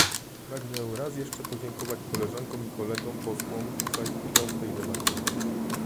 Pragnę raz jeszcze podziękować koleżankom i kolegom posłom za ich udział w tej debacie